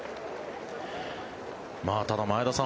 ただ、前田さん